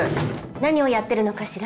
何をやってるのかしら？